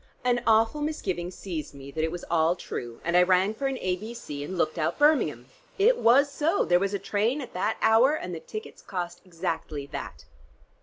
An awful misgiving seized me that it was all true and I rang for an A.B.C. and looked out Birmingham. It was so: there was a train at that hour and the tickets cost exactly that."